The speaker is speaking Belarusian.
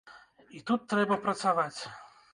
І тут трэба працаваць.